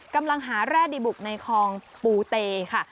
กำลังหาแร่ดีบุกในคลองปูเตค่ะ